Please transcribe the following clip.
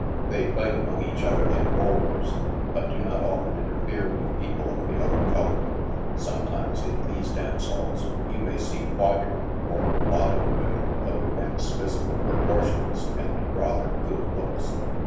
They fight among each other like wolves, but do not often interfere with people of the other color. Some times, in these dance houses, you may see quadroon or mulatto wo men of immense physical proportions and rather good looks.